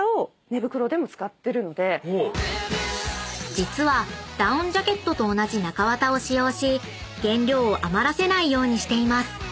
［実はダウンジャケットと同じ中綿を使用し原料を余らせないようにしています］